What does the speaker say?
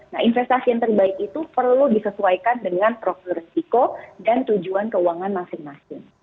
nah investasi yang terbaik itu perlu disesuaikan dengan prosedur risiko dan tujuan keuangan masing masing